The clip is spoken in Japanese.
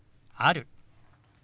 「ある」。